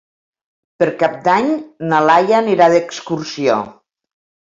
Per Cap d'Any na Laia anirà d'excursió.